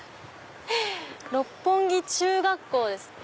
「六本木中学校」ですって。